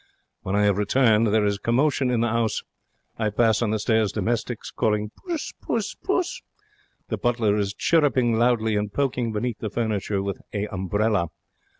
When I have returned there is commotion in the 'ouse. I pass on the stairs domestics calling 'Puss, puss!' The butler is chirruping loudly and poking beneath the furniture with a umbrella.